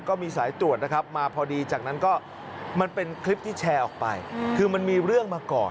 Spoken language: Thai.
ก็มีสายตรวจนะครับมาพอดีจากนั้นก็มันเป็นคลิปที่แชร์ออกไปคือมันมีเรื่องมาก่อน